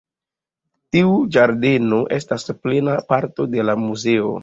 Tiu ĝardeno estas plena parto de la muzeo.